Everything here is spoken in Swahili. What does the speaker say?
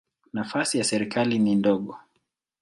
Nafasi ya serikali ni ndogo.